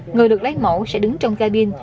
người được lấy mẫu sẽ đứng trong ca binh